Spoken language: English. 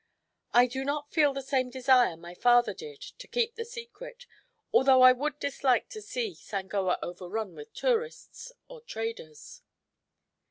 I do not feel the same desire my father did to keep the secret, although I would dislike to see Sangoa overrun with tourists or traders."